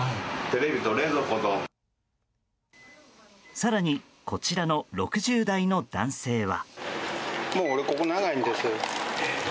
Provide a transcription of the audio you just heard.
更にこちらの６０代の男性は。